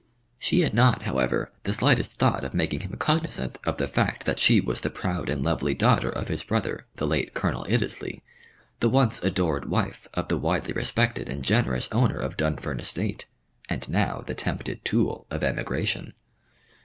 She had not, however, the slightest thought of making him cognisant of the fact that she was the proud and lovely daughter of his brother, the late Colonel Iddesleigh the once adored wife of the widely respected and generous owner of Dunfern Estate, and now the tempted tool of emigration.